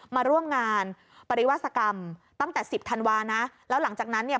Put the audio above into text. มาร่วมงานปริวาสกรรมตั้งแต่สิบธันวานะแล้วหลังจากนั้นเนี่ย